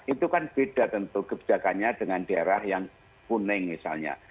itu kan beda tentu kebijakannya dengan daerah yang kuning misalnya